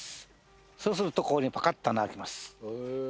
そうするとここにパカッと穴開きます。